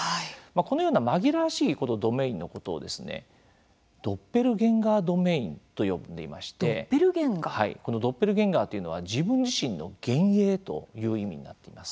このような紛らわしいドメインのことをドッペルゲンガードメインと呼んでいましてドッペルゲンガーというのは自分自身の幻影という意味になっています。